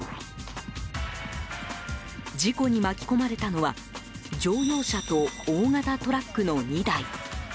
事故に巻き込まれたのは乗用車と大型トラックの２台。